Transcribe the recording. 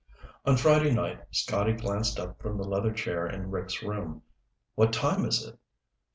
On Friday night, Scotty glanced up from the leather chair in Rick's room. "What time is it?"